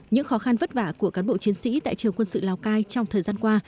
những khó khăn vất vả của cán bộ chiến sĩ tại trường quân sự lào cai trong thời gian qua